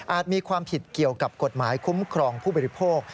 มีความผิดเกี่ยวกับกฎหมายคุ้มครองผู้บริโภค